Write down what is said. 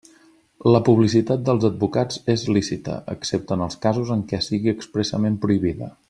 La publicitat dels advocats és lícita, excepte en els casos en què sigui expressament prohibida.